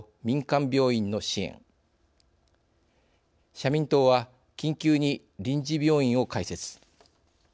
社民党は緊急に臨時病院を開設。